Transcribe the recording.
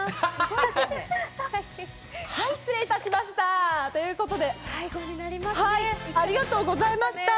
はい、失礼いたしました！ということでありがとうございました。